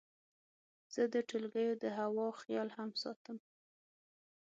زه د ټولګیو د هوا خیال هم ساتم.